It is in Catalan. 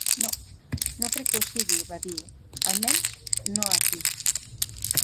"No, no crec que ho sigui", va dir. "Almenys, no aquí."